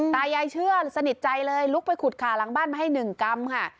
ตายายเชื่อสนิทใจเลยลุกไปขุดขาหลังบ้านมาให้๑กรัมค่ะ